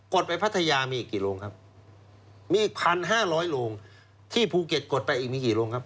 ดไปพัทยามีกี่โรงครับมีพันห้าร้อยโรงที่ภูเก็ตกดไปอีกมีกี่โรงครับ